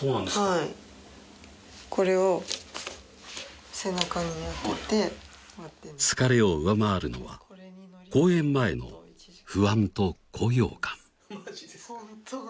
はいこれを背中に当てて疲れを上回るのは公演前の不安と高揚感